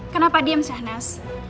kenapa diam shahnas